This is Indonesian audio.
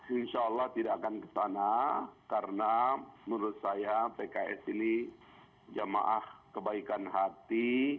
insya allah tidak akan kesana karena menurut saya pks ini jamaah kebaikan hati